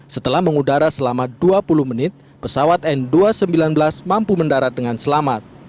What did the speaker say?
setelah mengudara selama dua puluh menit pesawat n dua ratus sembilan belas mampu mendarat dengan selamat